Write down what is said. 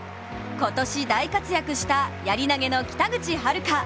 今年、大活躍したやり投げの北口榛花。